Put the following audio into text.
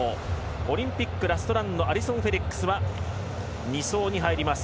オリンピックラストランのアリソン・フェリックスは２走に入ります。